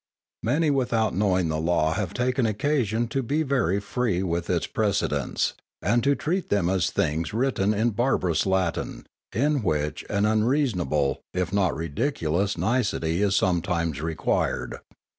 _ _Many without knowing the Law have taken occasion to be very free with its precedents, and to treat them as things written in barbarous Latin, in which an unreasonable, if not ridiculous nicety is sometimes required.